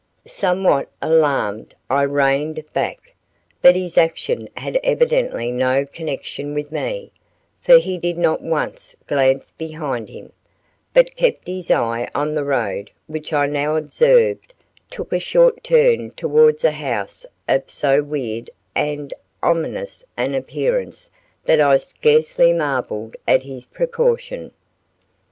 Somewhat alarmed I reined back; but his action had evidently no connection with me, for he did not once glance behind him, but kept his eye on the road which I now observed took a short turn towards a house of so weird and ominous an appearance that I scarcely marvelled at his precaution.